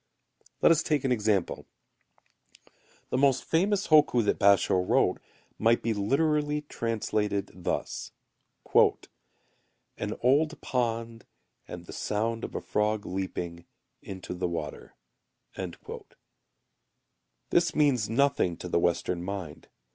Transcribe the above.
Let us take an example. The most famous hokku that Basho[u] wrote, might be literally translated thus: "An old pond And the sound of a frog leaping Into the water." This means nothing to the Western mind.